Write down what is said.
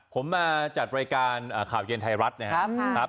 ผมมาจัดรายการข่าวเย็นไทยรัฐนะครับ